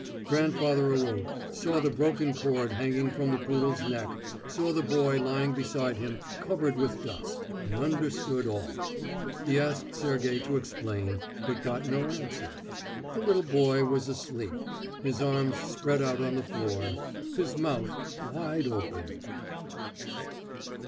Grandfather awoke, saw the broken cord hanging from the poodle's neck, saw the boy lying beside him covered with dust, and understood all. He asked Sergey to explain, but got no answer. The little boy was asleep, his arms spread out on the floor, his mouth wide open.